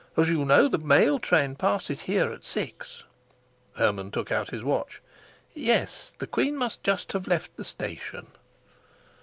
As you know, the mail train passes here at six." Hermann took out his watch. "Yes, the queen must just have left the station."